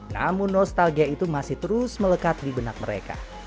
namun nostalgia itu masih terus melekat di benak mereka